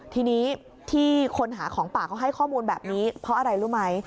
ทีนี้ที่คนหาของป่าเขาให้ข้อมูลแบบนี้เพราะอะไรรู้ไหม